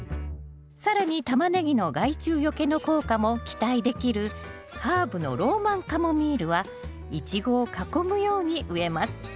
更にタマネギの害虫よけの効果も期待できるハーブのローマンカモミールはイチゴを囲むように植えます。